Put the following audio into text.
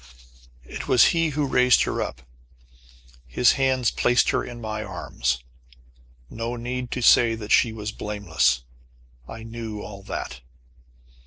It was he who raised her up. His hands placed her in my arms. No need to say that she was blameless. I knew all that.